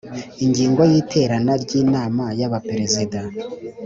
Ingingo ya iterana ry inama y abaperezida